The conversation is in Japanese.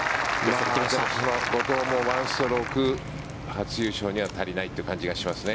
後藤も１ストローク初優勝には足りないという感じがしますね。